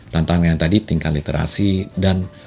tantangannya tadi tingkat literasi dan